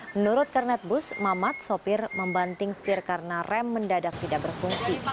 menurut kernet bus mamat sopir membanting setir karena rem mendadak tidak berfungsi